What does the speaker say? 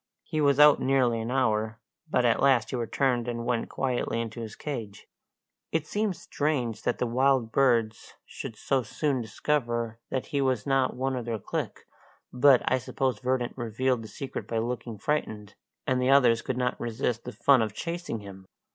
He was out nearly an hour, but at last he returned and went quietly into his cage. It seemed strange that the wild birds should so soon discover that he was not one of their clique, but I suppose Verdant revealed the secret by looking frightened, and the others could not resist the fun of chasing him.